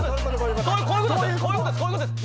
こういうことですよ。